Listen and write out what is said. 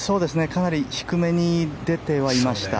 かなり低めに出てはいました。